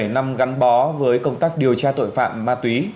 một mươi bảy năm gắn bó với công tác điều tra tội phạm ma túy